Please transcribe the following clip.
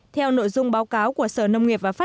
theo nội dung báo cáo của sở nông nghiệp và pháp luật